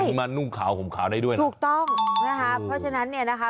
มานุ่งขาวห่มขาวได้ด้วยนะถูกต้องนะคะเพราะฉะนั้นเนี่ยนะคะ